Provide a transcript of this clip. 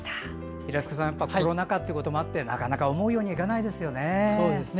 平塚さんコロナ禍ということもあってなかなか思うようにいかないですよね。